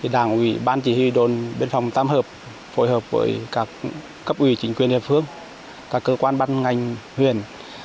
đảng ủy ban chỉ huy đồn biên phòng tam hợp phù hợp với các cấp ủy chính quyền hiệp phương các cơ quan ban ngành huyền